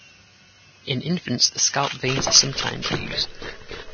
In infants the scalp veins are sometimes used.